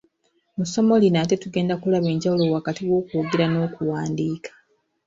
Mu ssomo lino ate tugenda kulaba enjawulo wakati w'okwogera n'okuwandiika.